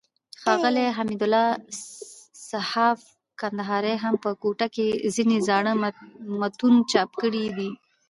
ښاغلي حمدالله صحاف کندهاري هم په کوټه کښي ځينې زاړه متون چاپ کړي دي.